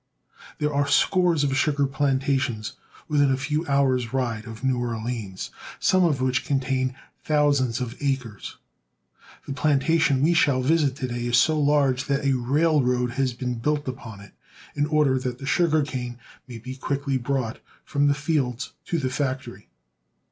There are scores of sugar plantations within a few hours' ride of New Orleans, some of which contain thousands of acres. The plantation we shall visit to day is so large that a railroad has been built upon it in order that the sugar cane may be quickly brought from the fields to the factory.